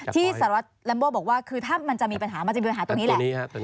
สารวัตรแลมโบบอกว่าคือถ้ามันจะมีปัญหามันจะมีปัญหาตรงนี้แหละ